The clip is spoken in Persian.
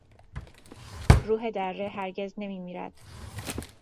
روح دره هرگز نمیمیرد.